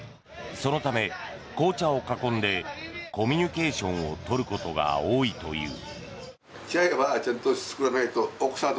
そのため、紅茶を囲んでコミュニケーションを取ることが多いという。